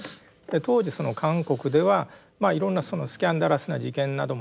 当時その韓国ではいろんなスキャンダラスな事件などもあったりしてですね